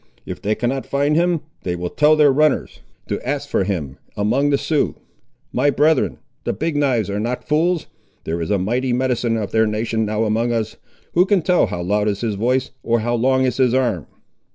If they cannot find him, they will tell their runners to ask for him, among the Siouxes. My brethren, the Big knives are not fools. There is a mighty medicine of their nation now among us; who can tell how loud is his voice, or how long is his arm?